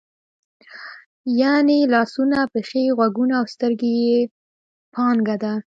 یعنې لاسونه، پښې، غوږونه او سترګې یې پانګه ده.